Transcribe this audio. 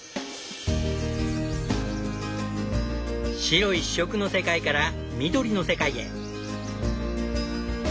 白一色の世界から緑の世界へ。